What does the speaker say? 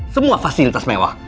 semua fasilitas mewah